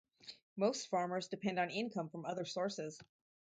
Most farmers depend on income from other sources.